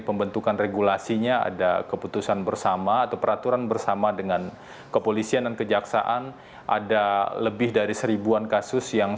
pertama atau peraturan bersama dengan kepolisian dan kejaksaan ada lebih dari seribuan kasus yang